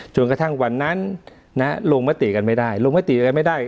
จนกระทั่งวันนั้นลงมติกันไม่ได้ลงมติอะไรไม่ได้